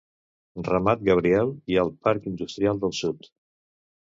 Ramat Gabriel, i el parc industrial del sud.